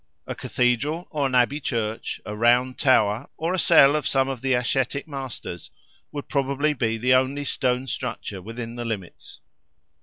A Cathedral, or an Abbey Church, a round tower, or a cell of some of the ascetic masters, would probably be the only stone structure within the limits.